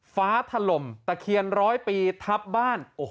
ถล่มตะเคียนร้อยปีทับบ้าน